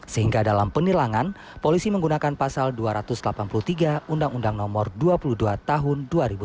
sehingga dalam penilangan polisi menggunakan pasal dua ratus delapan puluh tiga undang undang nomor dua puluh dua tahun dua ribu sembilan